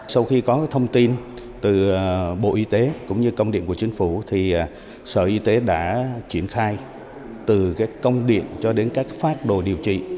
sau khi có thông tin từ bộ y tế cũng như công điện của chính phủ sở y tế đã triển khai từ công điện cho đến các phát đồ điều trị